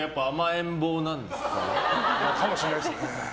かもしれないですね。